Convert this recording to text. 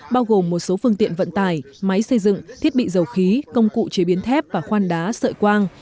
bao gồm một số phương tiện vận tải máy xây dựng thiết bị dầu khí công cụ chế biến thép và khoan đá sợi quang